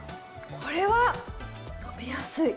これは飲みやすい！